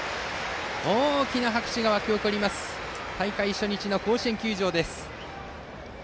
大きな拍手が沸き起こる大会初日の甲子園球場です。